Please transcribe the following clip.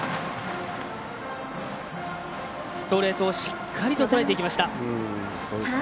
ストレートをしっかりととらえていきました。